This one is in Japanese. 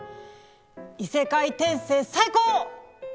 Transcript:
異世界転生最高！